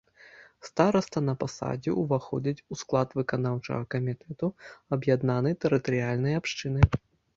Стараста па пасадзе ўваходзіць у склад выканаўчага камітэту аб'яднанай тэрытарыяльнай абшчыны.